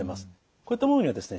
こういったものにはですね